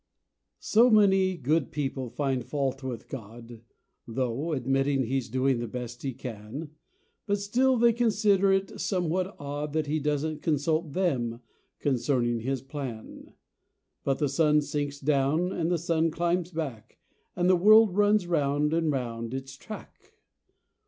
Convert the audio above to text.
So many good people find fault with God, Tho' admitting He's doing the best He can, But still they consider it somewhat odd That He doesn't consult them concerning his plan, But the sun sinks down and the sun climbs back, And the world runs round and round its track.